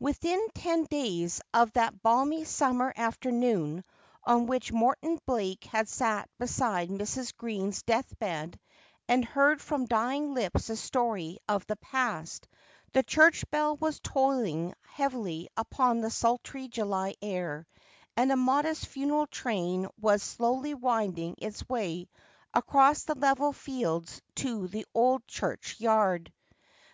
Within ten days of that balmy summer afternoon on which Morton Blake had sat beside Mrs. Green's death bed and heard from dying lips the story of the past, the church bell was tolling heavily upon the sultry July air, and a modest funeral train was slowly winding its way across the level fields to the old church yard.